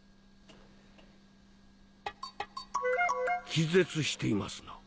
気絶していますな。